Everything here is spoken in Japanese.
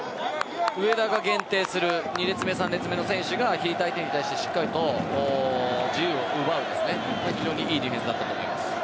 上田が限定する２列目、３列目の選手引いた相手に対してしっかりと自由を奪う非常に良いディフェンスだったと思います。